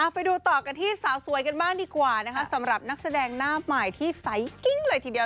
ไปดูต่อกันที่สาวสวยกันบ้างดีกว่านะคะสำหรับนักแสดงหน้าใหม่ที่ไซส์กิ้งเลยทีเดียว